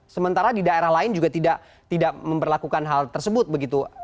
sementara di daerah lain juga tidak memperlakukan hal tersebut begitu